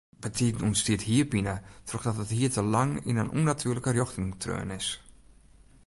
Bytiden ûntstiet hierpine trochdat it hier te lang yn in ûnnatuerlike rjochting treaun is.